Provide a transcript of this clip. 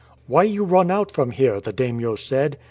"' Why you run out from here ?' the daimio said.